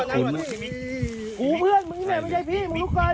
นั่งก่อนนั่งก่อนพี่โอ้เพื่อนมึงไม่ใช่พี่มึงลุกก่อน